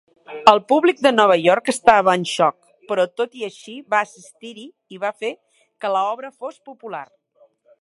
El públic de Nova York estava en xoc però tot i així va assistir-hi i va fer que l'obra fos popular.